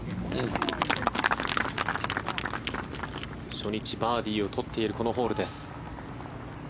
初日バーディーを取っているこのホールです。